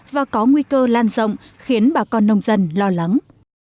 và có nguy cơ lan rộng khiến bà con nông dân lo lắng